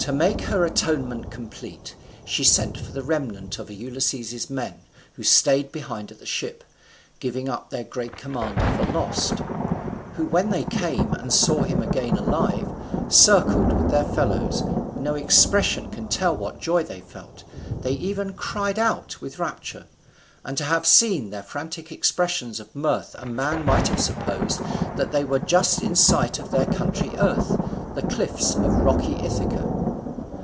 To make her atonement complete, she sent for the remnant of Ulysses's men who stayed behind at the ship, giving up their great commander for lost; who when they came, and saw him again alive, circled with their fellows, no expression can tell what joy they felt; they even cried out with rapture, and to have seen their frantic expressions of mirth a man might have supposed that they were just in sight of their country earth, the cliffs of rocky Ithaca.